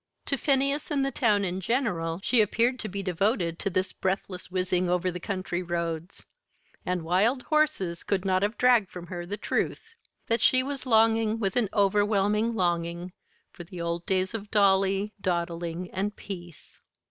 To Phineas and the town in general she appeared to be devoted to this breathless whizzing over the country roads; and wild horses could not have dragged from her the truth: that she was longing with an overwhelming longing for the old days of Dolly, dawdling, and peace.